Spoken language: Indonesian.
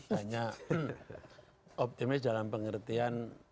hanya optimis dalam pengertian